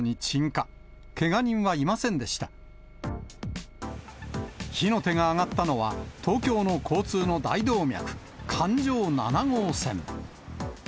火の手が上がったのは、東京の交通の大動脈、環状七号線。